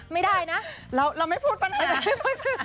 ไม่ได้นะเราไม่พูดไหม